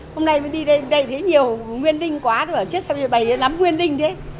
hôm nay mình đi đây thấy nhiều nguyên linh quá tôi bảo chết sao bày lắm nguyên linh thế